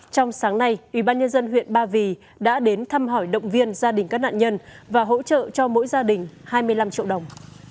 trong sáng nay ủy ban nhân dân huyện ba vì đã đến thăm hỏi động viên gia đình các nạn nhân và hỗ trợ cho mỗi gia đình hai mươi năm triệu đồng